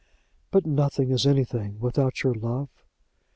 "But nothing is anything without your love."